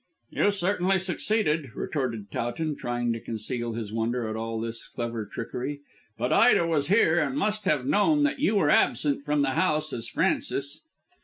"You certainly succeeded," retorted Towton, trying to conceal his wonder at all this clever trickery; "but Ida was here and must have known that you were absent from the house as Francis."